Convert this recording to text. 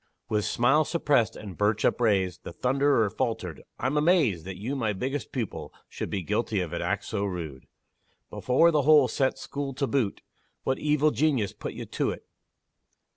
With smile suppressed, and birch upraised, The thunderer faltered "I'm amazed That you, my biggest pupil, should Be guilty of an act so rude! Before the whole set school to boot What evil genius put you to't?"